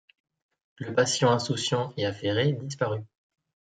Le passant insouciant et affairé disparut.